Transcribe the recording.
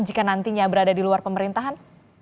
jika nantinya berada di luar pemerintahan